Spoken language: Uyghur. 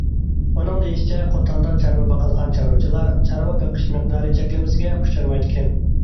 ئۇنىڭ دېيىشىچە، قوتاندا چارۋا باقىدىغان چارۋىچىلار چارۋا بېقىش مىقدارى چەكلىمىسىگە ئۇچرىمايدىكەن.